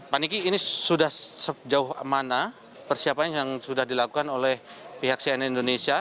pak niki ini sudah sejauh mana persiapan yang sudah dilakukan oleh pihak cnn indonesia